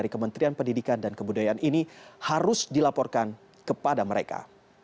kementerian pendidikan dan kebudayaan ini harus dilaporkan kepada mereka